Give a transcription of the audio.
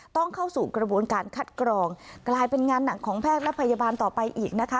เข้าสู่กระบวนการคัดกรองกลายเป็นงานหนักของแพทย์และพยาบาลต่อไปอีกนะคะ